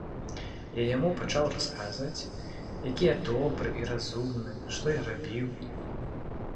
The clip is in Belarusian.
Я яму пачаў расказваць, які я добры і разумны, што я рабіў.